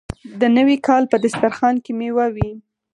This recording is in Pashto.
د نوي کال په دسترخان کې میوه وي.